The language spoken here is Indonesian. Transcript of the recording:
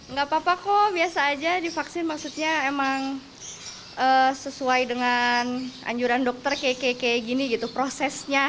nggak apa apa kok biasa aja divaksin maksudnya emang sesuai dengan anjuran dokter kayak gini gitu prosesnya